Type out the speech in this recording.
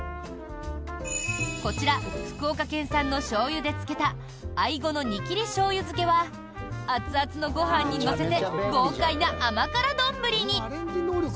こちら、福岡県産のしょうゆで漬けたアイゴの煮切り醤油漬けは熱々のご飯に乗せて豪快な甘辛丼に！